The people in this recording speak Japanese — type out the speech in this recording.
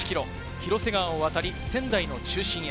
広瀬川を渡り仙台の中心へ。